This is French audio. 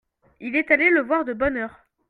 Il était allé le voir de bonne heure.